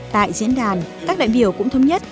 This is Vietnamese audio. tại diễn đàn các đại biểu cũng thông nhất